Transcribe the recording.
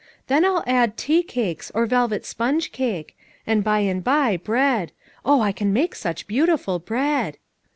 Then I'll add tea cakes, or velvet sponge cake; and by and by bread — oh, I can make such beautiful bread